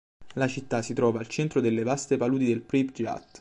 La città si trova al centro delle vaste paludi del Pryp"jat'.